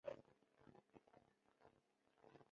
给她贴了暖暖包